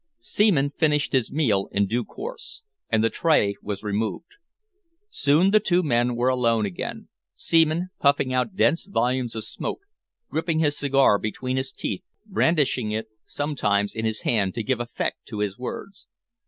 Seaman finished his meal in due course, and the tray was removed. Soon the two men were alone again, Seaman puffing out dense volumes of smoke, gripping his cigar between his teeth, brandishing it sometimes in his hand to give effect to his words.